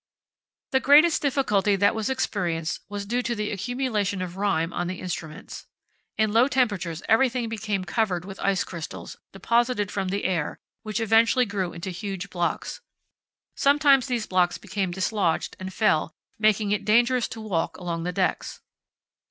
The greatest difficulty that was experienced was due to the accumulation of rime on the instruments. In low temperatures everything became covered with ice crystals, deposited from the air, which eventually grew into huge blocks. Sometimes these blocks became dislodged and fell, making it dangerous to walk along the decks.